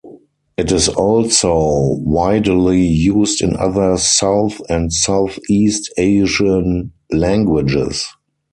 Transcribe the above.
It is also widely used in other South and Southeast Asian languages.